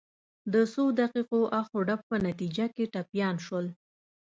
د څو دقیقو اخ و ډب په نتیجه کې ټپیان شول.